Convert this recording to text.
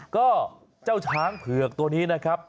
ก็เจ้าช้างเผือกตัวนี้นะครับ